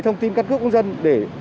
thông tin cân cướp công dân để